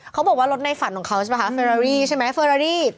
เขาบอกว่ารถในฝันของเขาใช่ไหมคะเฟอรารี่ใช่ไหมเฟอรารี่